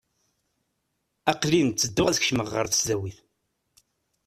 Aqel-in ttedduɣ ad kecmeɣ ɣer tesdawit.